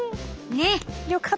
ねっ。